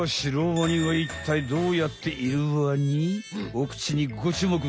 お口にご注目！